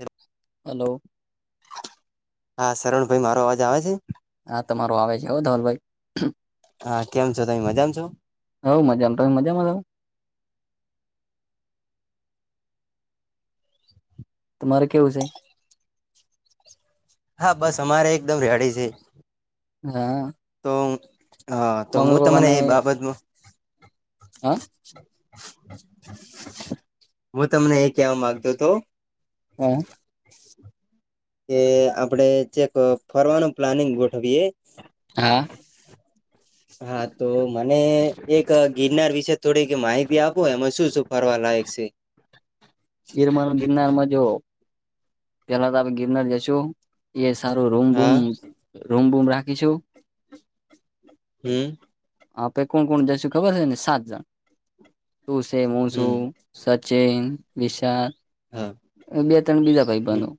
હ હલો હા શરણ ભાઈ મારો અવાજ આવે છે. હા તમારો આવે છે હો ધવલભાઈ. હા કેમ છો તમે મજામાં છો હ મજામાં. તમે મજામાં? તમારે કેવું છે? હા બસ અમારે એકદમ રેડી છે. હા. તો હા તો મમ્મી હું પપ્પા તને ને એ બાબતમાં હા. હું તમને એ કેવા માંગતો હતો હમ. કે આપડે ચક ફરવાનું પ્લાનિંગ ગોઠવીયએ. હા [unintelligible] હા તો મને એક ગિરનાર વિશે થોડીક માહિતી આપો એમાં શું શું ફરવા લાયક છે. તે ગિરમાર ગિરનારમાં જો પેલા તો આપે ગિરનાર જશું એ સારું રૂમ બૂમ હા રૂમ બૂમ રાખીશું હમ આપે કોણ કોણ જશું ખબર હશે ને સાત જણ તું છે હું હમ છું ચીન વિશા- - હા બે ત્રણ બીજા ભાઈ હમ બંધો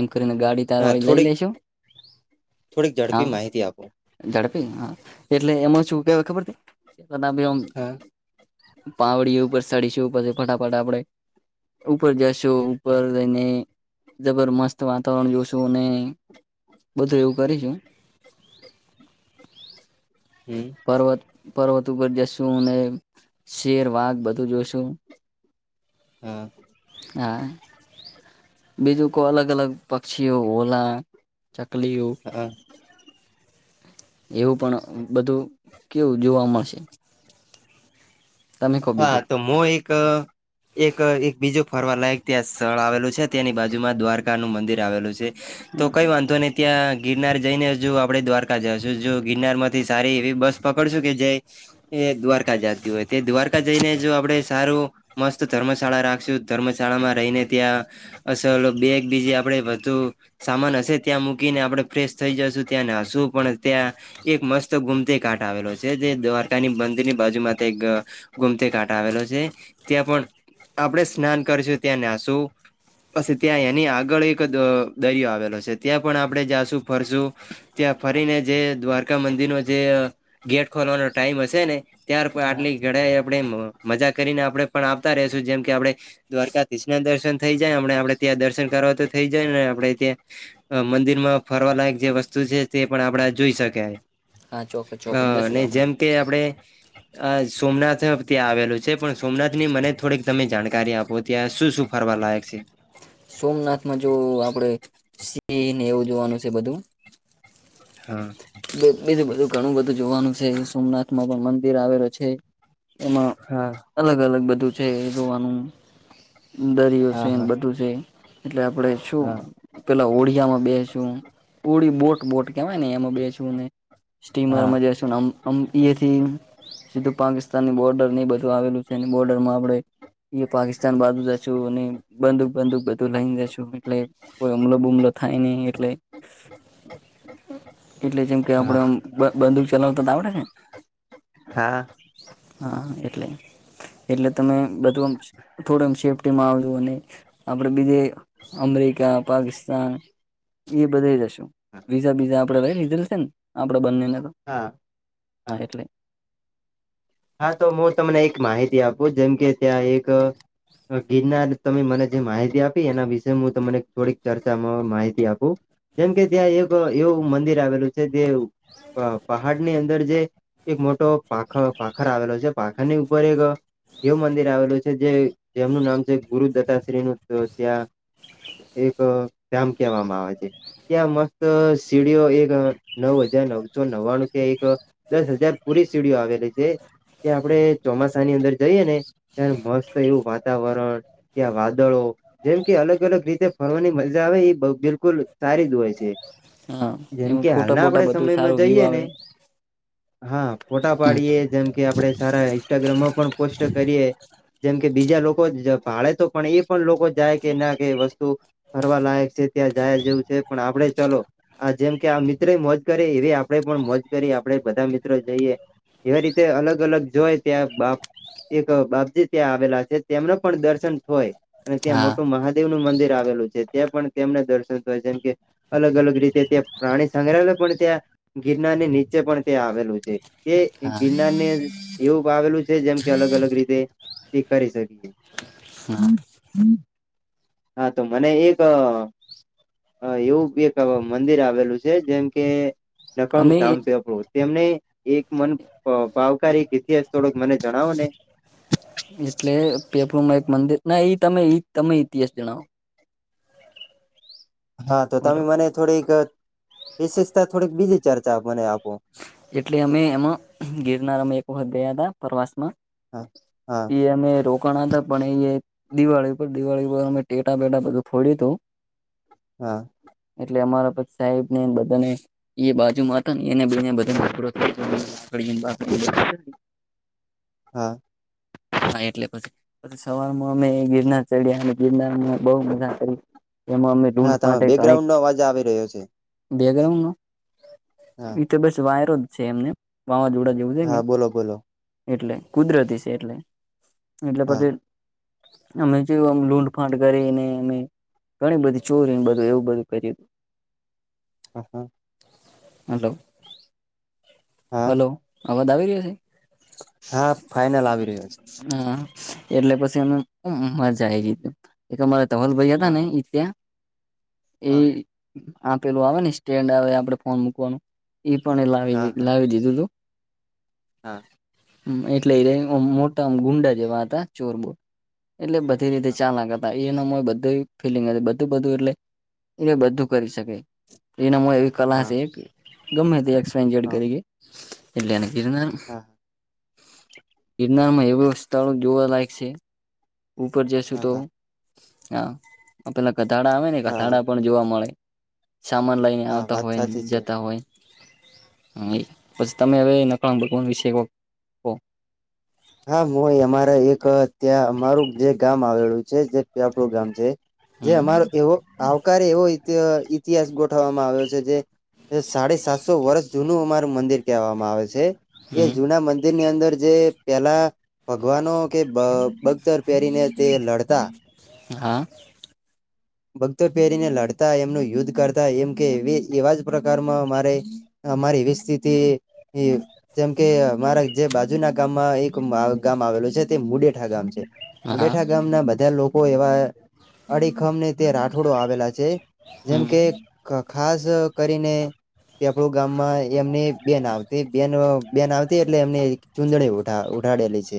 એમ કરીને ગાડી તાર હા વાળી લઈ થોડીક લેશુ. થોડીક ઝડપી માહિતી આપો. ઝડપી એટલે એમાં શું કેવાય ખબર હા [unintelligible] પાવડી ઉપર સ્ડી છે પ ફટાફટ આપડે ઉપર જશ. જો ઉપર જઈને જબર મસ્ત વાતાવરણ જોશું અને બધું એવું કરીશું. હમ. પર્વતું પર જશું અને શેર વાઘ બધું જોઈશું. હા. બીજુ કો અલગ અલગ પક્ષીઓ હોલા ચકલીઓ હા એવું પણ બધું કેવું જોવા મળશે. તમે કહો હા બીજું તો મો એક એક એક બીજો ફરવા લાયક ત્યાં સ્થળ આવેલું છે. તેની બાજુમાં દ્વારકા નું મંદિર આવેલું છે. તો કઈ વાંધો નઈ ત્યાં ગિરનાર જઈ ને જો આપડે દ્વારકા જશું જો ગિરનાર માં થી સારી એવી બસ પકડશું કે જ એ દ્વારકા જતી હોય તે દ્વારકા જઈને જો આપડે સારું મસ્ત ધર્મશાળા રાખશું ધર્મશાળામાં રહીને ત્યાં અસલ બે એકબીજી આપણેે વધુ સામાન હશે ત્યાં મૂકીને આપડણે ફ્રેશ થઈ જશું ત્યાંને હશુ પણ ત્યાં એક મસ્ત ગુમતે કા આવેલો છે જે દ્વારકાની મંદિર ની બાજુ માં ત્યાં એક ગુમતી કાંઠ આવેલો છે ત્યાં પણ આપડે સ્નાન કરીશું ત્યાં નાસું પછ ત્યાં એની આગળ એક દ દરિયો આવેલો છે ત્યાં પણ આપણે જાશું ફરશું ત્યાં ત્યાં ફરીને જે દ્વારકા મંદિર નો જે ગેટ ખોલવાનો ટાઈમ હશે ને ત્યાર હા આટલી આપડી મજા કરીને આપડે પણ આવતા રે શું જેમ કે આપડે દ્વારકાધીશ ના દર્શન થઈ જાય એમને આપ ત્યાં દર્શન કરવા તો થઈ જાય ને આપડણે ત્યાં મંદિર માં ફરવાલાયક જે વસ્તુ છે તે પણ આપણા આ જોઈ શકે હા ચોક્કસ ચોક્કસ આ જશું ને આપણે જેમ કે આપણે આ સોમનાથ ત્યાં આવેલું છે પણ સોમનાથની મને થોડીક તમે જાણકારી આપો ત્યાં શું શું ફરવા લાયક છે. સોમનાથમાં જો આપડે સિંહને એવું જોવાનું છે બધું. હા. બીધું બધું ઘણું બધું જોવાનું છે સોમનાથમાં પણ મંદિર આવેલું છે. એમાં હા અલગ અલગ બધું છે જોવાનું. દરિયો હા છે હા બધું છે. એટલે આપડે શું હા પેલા ઓળિયામાં બેસું ઓળી બોટ બોટ કેવાય ને એમાં બેસ નું સ્ટીમર હા માં જ્યસુ આમ આમ ટી એ થી સીધું પાકિસ્તાનની બોર્ડર ની બધું આવેલું છે બોર્ડર માં આપડે એ પાકિસ્તાન બાજુ જ છુ અને બંદુક બંદુક બધું લઈ ને જશું એટલે કોઈ હમલો બુમલો થાય નહી એટલે એટલે જેમ કે હા આપડેમ બ બંદૂક ચલાવતા તો આવડે ને. હા. હા એટલે. એટલે તમે બધું આમ થોડુંમ સેફ્ટીમાં આવજો અને આપડે બીજે અમે ઇકા પાકિસ્તાન એ બધે જશું વિઝા બીઝા આપડે રહી [unintelligible] આપણો બંને ને હા હા એટલે. હા તો હું તમને એક માહિતી આપું જેમ કે ત્યાં એક ગીરના તમે મને જે માહિતી આપી એના વિશે હું તમને થોડીક ચર્ચામાં માહિતી આપું. જેમ કે ત્યાં એક એવું મંદિર આવેલું છે જે પ પહાડ ની અંદર જે એક મોટો પાંખ પાખર આવેલો છે પાખર ની ઉપર એક આ એવું મંદિર આવેલું છે જે જેમનું નામ છે ગુરુદત્તાશ્રીનું તો ત્યાં એક કામ કહેવામાં આવે છે. ત્યાં મસ્ત સીડીઓ એક નવ હજાર નવસો નવ્વાણું ત્યાં એક દસ હજાર ફૂટ થી સીડીઓ આવેલી છે. ત્યા આપણે ચોમાસાની અંદર જઈએે ને ત્યારે મસ્ત એવું વાતાવરણ ત્યાં વાદળો જેમ કે અલગ અલગ રીતે ફરવાની મજા આવે એ બ બિલકુલ સારી જ હોય છે. હા જેમ એમાં કે ફોટા હાલના બોટા આપડે બધું સમયમાં સારું વ્યુ જઈએ ને આવે હા ફોટા પાડીએ જેમ કે આપડણે સારા ઇન્સ્ટાગ્રામમાં પણ પોસ્ટ કરીએ જેમ કે બીજા લોકો જ પાડે તો પણ એ પણ લોકો જાય કે ના કે વસ્તુ ફરવા લાયક છે. ત્યાં જયા જેવું છે, પણ આપડે ચલો આ જેમ કે આ મિત્રો મોજ કરે એવી આપણેે પણ મોજ કરી આપણેે બધા મિત્રો જઈએ એવી રીતે તે અલગ અલગ જોય ત્યાં બાપ એક બાપજી ત્યાં આવેલા છે, તેમનું પણ દર્શન હોય અને ત્યાં હા મોટું મહાદેવનું મંદિર આવેલું છે, ત્યાં પણ તેમને દર્શય જેમ કે અલગ અલગ રીતે ત્યાં પ્રાણી સંગ્રહાલયે પણ ત્યાં ગિરનારની નીચે પણ તે આવેલું છે, તે હા ગિરનારને જ એવું આવેલું છે જેમ કે અલગ અલગ રીતે સ્વીકારી શકીએ હા હા તો મને એક હ એવું એક મંદિર આવેલું છે, જેમ કે નખંગ અમે ધામ પેપડું તેમને એક મન ભાવકાર એક ઇતિહાસ થોડોક મને જણાવો ને? એટલે પેપરમાં એક એક મંદિર ના એઈ તમે તમે ઇતિહાસ જણાવો? હા તો તમે બોલો મને થોડીક વિશેષતા થોડીક બીજી ચર્ચા આપ મને આપ એટલે અમે એમાં ગિરનાર અમે એક વખત ગયા હતા પ્રવાસમાં હા હા ઈ એમ એ રો કવાના હતા પણ એ દિવાળી ઉપ દિવાળી ઉપ અમે ટેટા પેટા બધું ફોડ્યું હતું હા. એટલે અમારા પછી સાહેબ ને બધા ને એ બાજુમા હતાને એને બેને બધાને [unintelligible] હા. હા એટલે પછી પછી સવારમાં અમે ગિરનાર ચડ્યા અને ગિરનારમાં બોવ મજા કરી એમાં અમે ડૂંડ હા તમે ફાટે ઘણીક બેકગ્રાઉન્ડ નો અવાજ આવી રહ્યો છે બેગ્રાઉન્ડનુ હા તો બસ વાયરો જ છે એમને વાવાઝોડા જેવું છે, હા બોલો બોલો એટલે કુદરતી છે, એટલે એટલે હા પછી અમે જે લૂટફાંટ કરીને અમે ઘણી બધી ચોરી બધું એવું બધું કરીયુ હતું હા હા હાલો હાલો આવાજ આવી રહ્યો છે. હા ફાઈનલ આવી રહ્યો છે હા. એટલે પછી અમે મજા આયગીતી એક અમારા ધવલ ભાઈ હતા હા ને ઈ ત્યાં એ હા આપેલું આવે ને સ્ટેન્ડ આવે આપડે ફોન મુકવાનું ઈ પણ એ લાવી હા હા લાવી દીધું તું હા. એટલે એ મોટામ ગુંડા જેવા હતા ચોરબો એટલે બધી રીતે ચાલાક હતા એ એ એનામાં બધય ફિલિંગ બધું બધું એટલે એ બધું કરી શકે એનામાં એવી કલા હા છે, ગમે તે એક્સપ જેડ હા કરી એટલે ગિરનાર હા ગિરનારમાં એવું સ્થળો જોવા લાયક છે. ઉપર જશુ હા તો હા હા પેલા કધાડા આવે ને હા કધાડા પણ જોવા મળે સામાન લઇને હા આવતા વાત હોય સાચી છે જતા હોય હું પછી તમે હવે નકળ [unintelligible] વિશે કો હા હું અમારા એક ત્યાં અમારું જે ગામ આવેલું છે, જેથી આપડું ગામ છે. જે હમ અમારો એવો આવકારે એવો ઇતિહાસ ગોઠવવામાં આવ્યો છે, જે સાડા સાતસો વર્ષ જૂનું અમારું મંદિર કહેવામાં આવે છે. એ હમ જુના મંદિરની અંદર જે પેલા ભગવાનો કે બ બગદર પહેરીને તે લડતા હા. [unintelligible] [inaudible] ભગદર પહેરીને લડતા એમનું યુદ્ધ કરતા એમ કે એવી એવા જ પ્રકારમાં અ મારે અમારી એવી સ્થિતિ જેમ કે અમારા જે બાજુ ના ગામમાં એક ગામ આવેલું છે તે મુડેઠા ગામ છે, હા મુડેઠા ગામ ના બધા લો એવા અડીખમને તે રાઠોડો આવેલા છે, જેમ હમ કે ખાસ કરીને કે આપડું ગામમાં એમની બેન આવતી બેન બેન આવતી એટલે એમને ચુંદડી ઉઢા ઉઢાડેલી છે,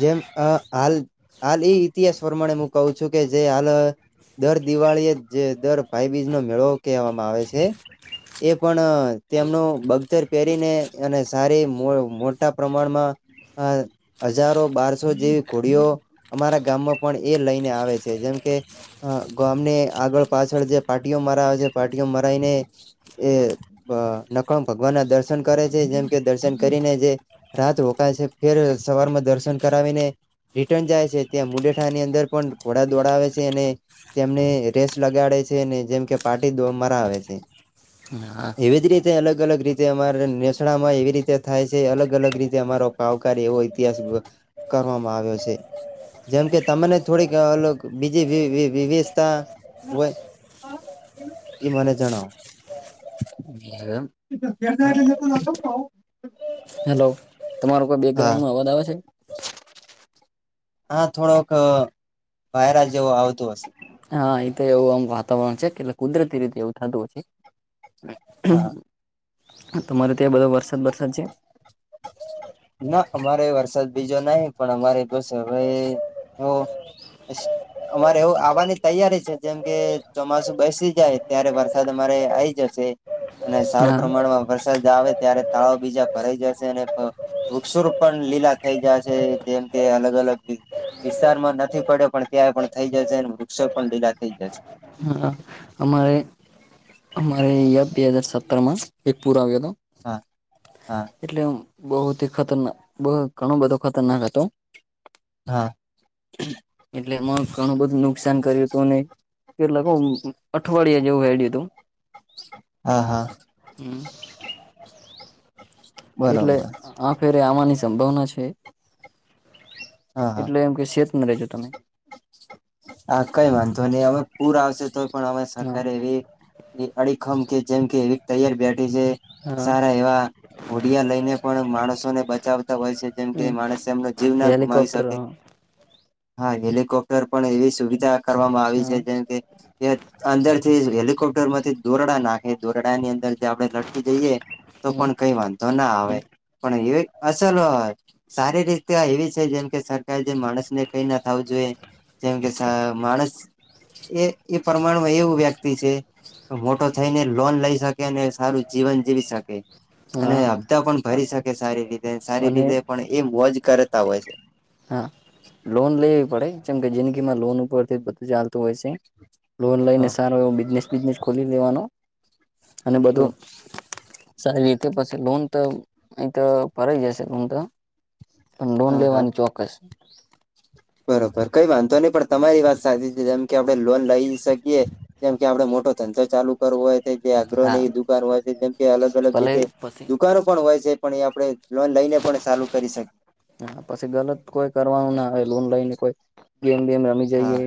જેમ હાલ હાલ એ ઇતિહાસ પ્રમાણે હું કહું છું, કે જે હાલ દર દિવાળી જે દર ભાઈબીજનો મેળો કહેવામાં આવે છે, એ પણ તેમનું બગજર પહેરીને અને સારી મોટા પ્રમાણમાં અ હજારો બારસો જેવી ઘોડીઓ અમારા ગામમાં પણ એ લઈને આવે છે, જેમ ગામને આગળ પાછળ જે પારટીઓ મરાવે છે, પારટીઓ મરાઈને નખમ ભગવાન ના દર્શન કરે છે જેમ કે દર્શન કરીને જે રાત રોકાય છે, ફેર સવાર માં દર્શન કરાવીને. રિટર્ન જાય છે, ત્યાં મુડેઠા ની અંદર પણ ઘોડા દોડા આવે છે, અને તેમને રેસ લગાડે છે, ને જેમ કે પારટી દો મરા આવે છે. હા [inaudible] એવી જ રીતે અલગ- અલગ રીતે અમારે નેસણા માં એવી રીતે થાય છે અલગ -અલગ રીતે અમારો કાવકાર એવો ઇતિહાસ કરવામાં આવ્યો છે. જેમ કે તને થોડીક બીજી વિવિધતા હોય. એઈ મને જણાવો. એ એ તો જ હેલો તમારો કોઈ બેકગ્રાઉન્ડ નો અવાજ આવે છે. હા થોડોક વાયરા જેવો આવતું હશે. હા એ તો એવું આમ વાતાવરણ છે, કેટલે કુદરતી રીતે એવું થતું હ છે. હા તમારે ત્યાં બધો વરસાદ- વરસાદ છે. અ [inaudible] ના અમારે વરસાદ બીજો નહી પણ અમારે બસ હવે એ અ હમારે એવું આવવાની તૈયારી છે જેમ કે ચોમાસુ બેસી જાય ત્યારે વરસાદ અમારે આઈ જશે અને સારા હા પ્રમાણમાં વરસાદ આવે ત્યારે તાળાવ બીજા ભરા જશે વૃક્ષુર પણ લીલા થઈ જાય છે જેમ કે અલગ અલગ વિસ્તારમાં નથી પડ્યો પણ ત્યાં પણ થઈ જશે અને વૃક્ષો પણ લીલા થઈ જશે હમારે અયા બે હજાર સત્તરમાં એક પુર આવ્યો હતો હા હા એટલે બહુ થી ખતરનાક બહ ઘણું બધું ખતરનાક હતું હા એટલેમાં ઘણું બધું નુકસાન કર્યું હતું ને કેટલાક અઠવાડિયા જેવું હેડ હતું હા હા હમ બરોબર એટલે હા આ ફેરે આવાની સંભાવના છે હા એટલે એમ કે સેત ન રજો તમે હા કઈ વાંધો નહી હવે પૂર આવશે તો પણ અ હા સરકારે એવી અડીખમ કે જેમ કે ર જે હા સારા એ ઓડિયા લઈને પણ માણસોને બચાવતા હોય છે જેમ કે હમ માણસ એમનો જીવ ના ગુમાવી હેલિકોપ્ટર શકે હ હા હેલિકોપ્ટર પણ એવી સુવિધા કરવામાં આવી છે જેમ કે અંદર થી હેલિકોપ્ટર માંથી દોરડા નાખ એ દોરડા ની અંદર જે આપડે લટકી જઈએ તો હમ પણ કઈ વાંધો ના આવે પણ એ અસલ હોય સારી રીતે એવી છે જેમ કે સરકાર જે માણસને કઈ ના થવું જોઈએ જેમ કે માણસ એ એ પ્રમાણમાં એવું વ્યક્તિ છે મોટો થઈને લોન લઈ શકે અને સારું જીવન જીવી શકે અને હા હપ્તા પણ ભરી શકે સારી રીતે સારી અને રીતે પણ એ વજ કરેતા હોય છે હા લોન લેવી પડે જેમ કે જિંદગી માં લોન ઉપરથી બધું ચાલ હોય લોન લઈને હા સારો એવ બિઝનેસ બિઝનેસ ખોલી દેવાનો અને હ બધું સાહે એ પછી લોન તો અહી તો ફરાઈ જશે લોન તો પણ લોન હા હા લેવાની ચોક્કસ બરોબર કઈ વાંધો નહી પણ તમારી વાત સાચી છે જેમ કે આપડણે લોન લઈ ગએ જેમ કે આપડે મોટો ધંધો ચાલુ હોય જે હા આગ્રહની દુકાન હોય છે જેમ કે અલગ અલગ ભલે રીતે પછી દુકાનો પણ હોય છે પણ આપણે લોન લઈને પણ ચાલુ કરી શકીએ હા પછી ગલત કોઈ કરવાનું ના હોય લોન લઈને કોઈ ગેમ બેેમ રમી હા જઈએ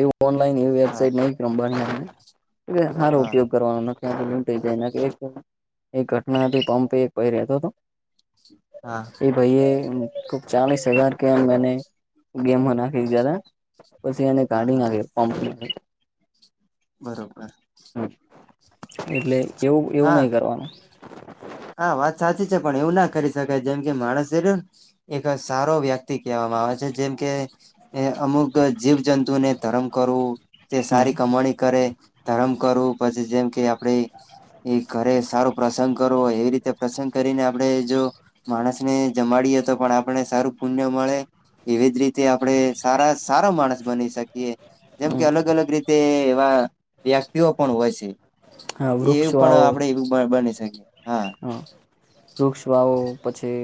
એવું ઓનલાઈન એવી હા વેબસાઇટ નહી રમવાની સારો હા ઉપયોગ કરવાનો લં જાય એક ઘટના હતી પંપે એકય રહેતો હતો હા એ ભાઈ એ ચાીસ હજાર કેંદ મે ગેમ બનાખ જદ પછી એને હા કાઢી હા નાખ્યો પપ બરોબર એટલે એવું એવું હા નહિ કરવાનું હા વાત સાચી છે પણ એવું ના કરી શકાય જેમ કે માણસ એક સારો વ્યક્તિ કહેવામાં આવે છે જેમ કે અમુક જીવ જ જંતુને ધર્મ કરવું તે હમ સારી કમણી કરે ધરમ કરવું પછી જેમ કે આપડે એ ઘરે સારો પ્રસંગ કર એવી રીતે પ્રસંગ કરીને આપણે જો માણસને જમાડીએ તો પણ આપણે સારું પુણ્ય મળે એવી જ રીતે આપડે સારા સારો માણસ બની શકીએ જેમ કે હમ અલગ અલગ રીતે એવા વ્યક્તિઓ પણ હોય છે હા એ વૃક્ષ પણ વાવો આપણે બની શકીએ હા વૃક્ષ વાવો પછી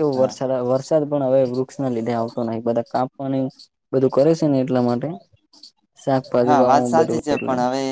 એવો હા વરસાદ વરસાદ પણ હવે વૃક્ષ ના લીધે આવતો ન બધા કાપવા બધું કરે છે ને એટલા માટે શાકપાજી હા ભ વાત હું સાચી છે બધુંટલે પણ હવે